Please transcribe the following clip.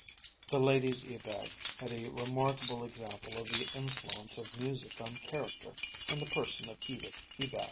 The ladies Ebag had a remarkable example of the influence of music on character in the person of Edith Ebag.